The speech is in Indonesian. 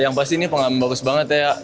yang pasti ini pengalaman bagus banget ya